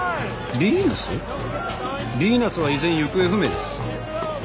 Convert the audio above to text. ビーナスは依然行方不明です。